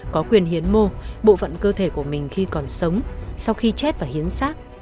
có quyền hiến mô bộ phận cơ thể của mình khi còn sống sau khi chết và hiến sát